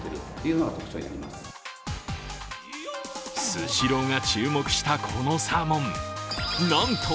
スシローが注目したこのサーモンなんと